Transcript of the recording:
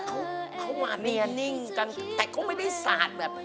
ก็ว่าเนียนิ่งกันแต่เขาไม่ได้สาดแบบ